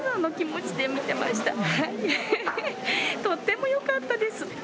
とってもよかったです。